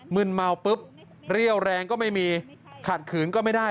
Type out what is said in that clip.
ื่นเมาปุ๊บเรี่ยวแรงก็ไม่มีขัดขืนก็ไม่ได้